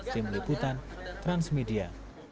tim liputan transmedia